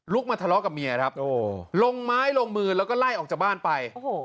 มาทะเลาะกับเมียครับลงไม้ลงมือแล้วก็ไล่ออกจากบ้านไป